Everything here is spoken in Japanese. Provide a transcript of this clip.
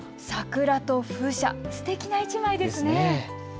桜と風車、すてきな１枚ですね。